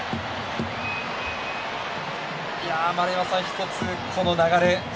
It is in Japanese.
丸山さん、一つこの流れ。